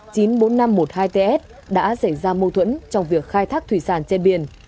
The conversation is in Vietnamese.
tàu cá một trăm một mươi hai ts đã xảy ra mâu thuẫn trong việc khai thác thủy sản trên biển